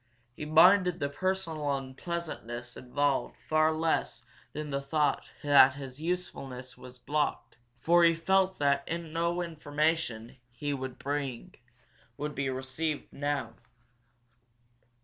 He minded the personal unpleasantness involved far less than the thought that his usefulness was blocked, for he felt that not information he might bring would be received now.